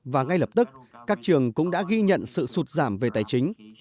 và ngay lập tức các trường cũng đã ghi nhận sự sụt giảm về tài chính